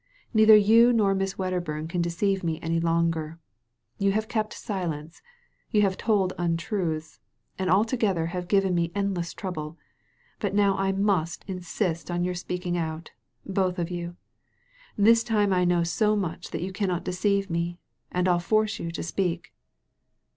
Neither you nor Miss Wedderbum can deceive me any longer. You have kept silence^ you have told untruths, and altogether have given me endless trouble, but now I must insist upon your speaking out, both of you. This time I know so much that you cannot deceive me ; and TU force you to speak.''